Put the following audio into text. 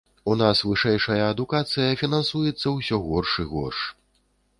У нас вышэйшая адукацыя фінансуецца ўсё горш і горш.